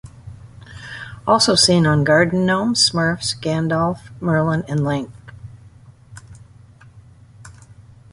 Also seen on: Garden gnomes, Smurfs, Gandalf, Merlin, and Link.